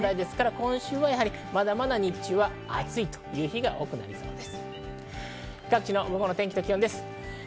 今週はまだまだ日中は暑いという日が多くなりそうです。